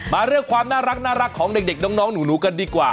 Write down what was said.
มาเรียกความน่ารักน่ารักของเด็กเด็กน้องน้องหนูหนูกันดีกว่า